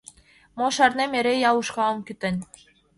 Мо шарнем, эре ял ушкалым кӱтен.